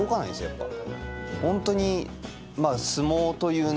やっぱ。